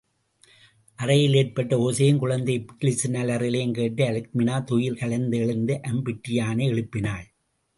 அறையில் ஏற்பட்ட ஓசையையும், குழந்தை இபிக்ளிஸின் அலறலையும் கேட்டு, அல்க்மினா, துயில் கலைந்து எழுந்து அம்பிட்ரியானை எழுப்பினாள்.